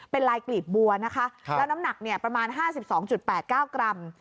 เป็นลายกลีบบัวนะคะแล้วน้ำหนักประมาณ๕๒๘๙กรัม